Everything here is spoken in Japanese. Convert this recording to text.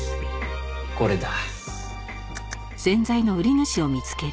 これだ。